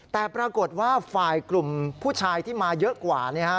แต่ปรากฏว่าฝ่ายกลุ่มผู้ชายที่มาเยอะกว่า